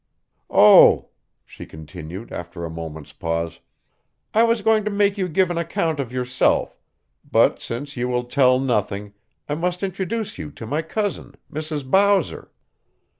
Oh," she continued after a moment's pause, "I was going to make you give an account of yourself; but since you will tell nothing I must introduce you to my cousin, Mrs. Bowser."